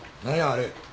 あれ。